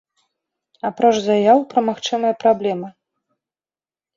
Апроч заяў пра магчымыя праблемы.